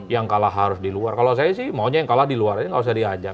yang kalah harus di luar kalau saya sih maunya yang kalah di luar aja nggak usah diajak